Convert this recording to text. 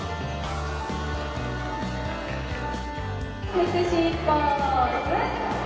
セクシーポーズ！